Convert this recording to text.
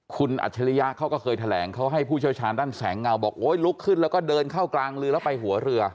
คุณอัจฉริยะเขาก็เคยแถลงเขาให้ผู้เชี่ยวชาญด้านแสงเงาบอกโอ้ยลุกขึ้นแล้วก็เดินเข้ากลางเรือแล้วไปหัวเรือ